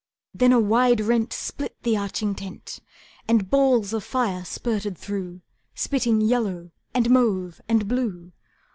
Then a wide rent Split the arching tent, And balls of fire spurted through, Spitting yellow, and mauve, and blue.